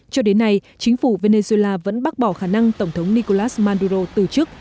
cho đến nay chính phủ venezuela vẫn bác bỏ khả năng tổng thống nicolas manduro từ chức